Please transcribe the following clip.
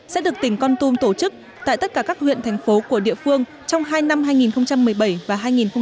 sẽ được tỉnh con tum tổ chức tại tất cả các huyện thành phố của địa phương trong hai năm hai nghìn một mươi bảy và hai nghìn một mươi chín